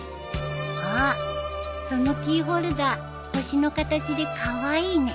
あっそのキーホルダー星の形でカワイイね。